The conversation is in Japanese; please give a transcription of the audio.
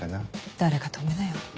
誰か止めなよ。